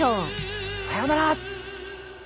さよなら。